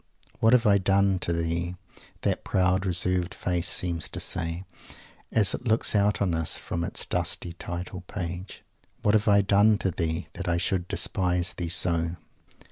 "What have I done to thee?" that proud, reserved face seems to say, as it looks out on us from its dusty title page; "what have I done to thee, that I should despise thee so?"